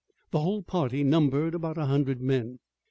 The whole party numbered about a hundred men.